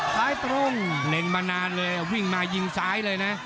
ตรงเล็งมานานเลยวิ่งมายิงซ้ายเลยนะ